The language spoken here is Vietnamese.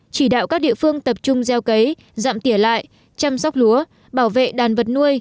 chỉ đạo các địa phương tập trung gieo cấy giảm tiể lại chăm sóc lúa bảo vệ đàn vật nuôi